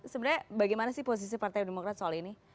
sebenarnya bagaimana sih posisi partai demokrat soal ini